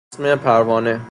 تسمه پروانه